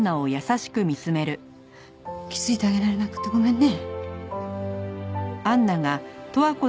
気づいてあげられなくてごめんね。